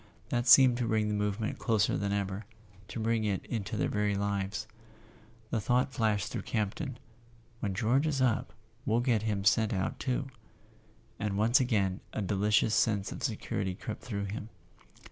That seemed to bring the movement closer than ever, to bring it into their very lives. The thought flashed through Campton: "When George is up, we'll get him sent out too"; and once again a deli¬ cious sense of security crept through him.